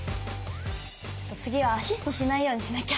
次はアシストしないようにしなきゃ。